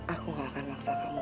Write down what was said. aku gak akan maksa kamu